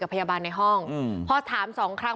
พยาบาลในห้องพอถามสองครั้ง